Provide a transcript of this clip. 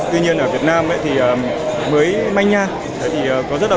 tuy nhiên ở việt nam mới manh nha